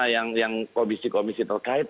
yang komisi komisi terkait